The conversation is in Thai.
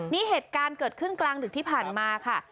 นี่เหตุการณ์เกิดขึ้นกลางดึกที่ผ่านมาค่ะ